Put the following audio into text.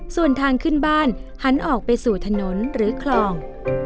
ส่วนทางขึ้นบ้านหันออกไปสู่ถนนหรือคลอง